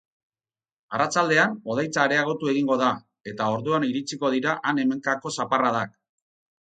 Arratsaldean, hodeitza areagotu egingo da, eta orduan iritsiko dira han-hemenkako zaparradak.